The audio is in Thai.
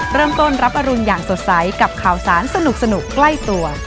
เริ่มต้นรับอรุณอย่างสดใสกับข่าวสารสนุกใกล้ตัว